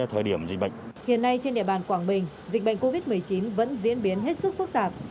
hiện nay trên địa bàn quảng bình dịch bệnh covid một mươi chín vẫn diễn biến hết sức phức tạp